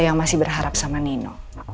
yang masih berharap sama nino